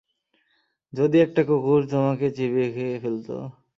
যদি একটা কুকুর তোমাকে চিবিয়ে খেয়ে ফেলতো?